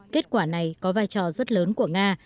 kết quả này có vai trò rất lớn của nga